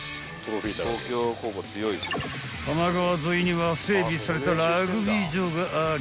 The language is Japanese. ［多摩川沿いには整備されたラグビー場があり］